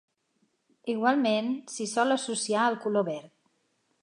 Igualment, s'hi sol associar el color verd.